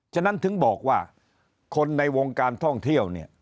จนั้นถึงบอกว่าคนในวงการท่องเที่ยว